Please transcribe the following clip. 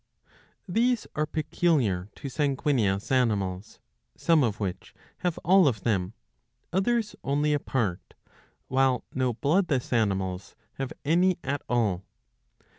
These are peculiar to sanguineous animals, some of which have all of them, others only a part, while no bloodless animals have any at all.